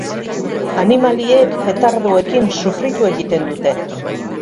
Animaliek petardoekin sufritu egiten dute.